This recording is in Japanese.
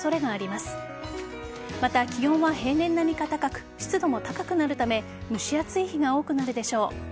また、気温は平年並みか高く湿度も高くなるため蒸し暑い日が多くなるでしょう。